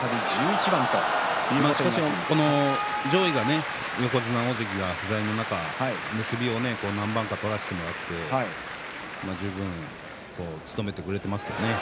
上位が横綱大関不在の中結びを何番か取らせてもらって十分務めてくれていますよね。